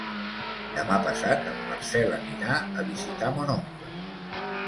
Demà passat en Marcel anirà a visitar mon oncle.